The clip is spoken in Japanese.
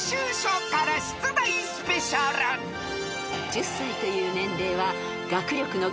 ［１０才という年齢は］